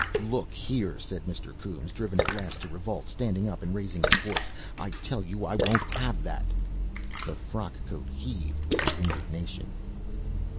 "Look here!" said Mr. Coombes, driven at last to revolt, standing up and raising his voice. "I tell you I won't have that." The frock coat heaved with his indignation.